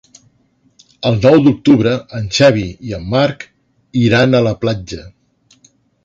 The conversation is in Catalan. El nou d'octubre en Xavi i en Marc iran a la platja.